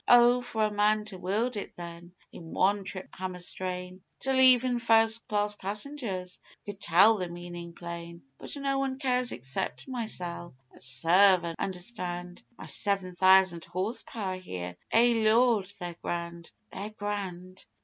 Oh for a man to weld it then, in one trip hammer strain, Till even first class passengers could tell the meanin' plain! But no one cares except mysel' that serve an' understand My seven thousand horse power here. Eh, Lord! They're grand they're grand!